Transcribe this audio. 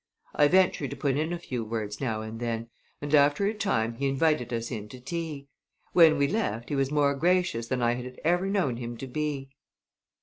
I ventured to put in a few words now and then, and after a time he invited us in to tea. When we left he was more gracious than I had ever known him to be.